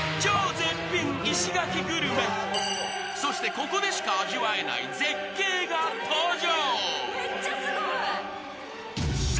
ここでしか味わえない絶景が登場。